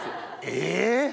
え！